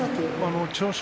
千代翔